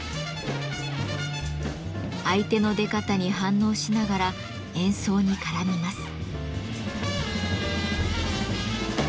相手の出方に反応しながら演奏に絡みます。